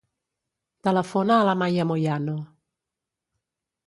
Telefona a l'Amaya Moyano.